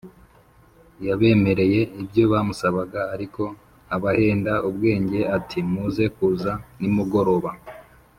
Yabemereye ibyo bamusabaga, ariko abahenda ubwenge ati muze kuza nimugoroba